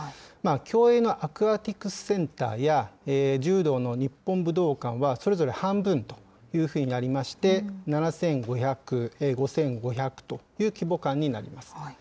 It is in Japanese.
競泳のアクアティクスセンターや、柔道の日本武道館は、それぞれ半分というふうになりまして、７５００、５５００という規模感になります。